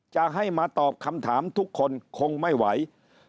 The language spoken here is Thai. จะให้มาตอบคำถามทุกคนคงไม่ไหว